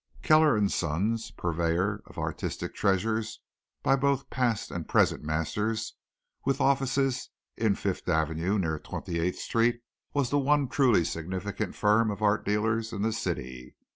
Kellner and Son, purveyors of artistic treasures by both past and present masters, with offices in Fifth Avenue near Twenty eighth Street, was the one truly significant firm of art dealers in the city.